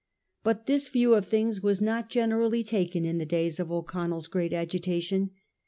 But this view of things was not generally taken in the days of O'Con nell's great agitation.